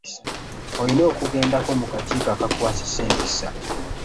Olina okugendako mu kakiiko akakwasisa empisa.